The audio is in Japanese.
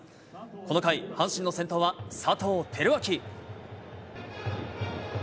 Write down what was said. この回、阪神の先頭は佐藤輝明。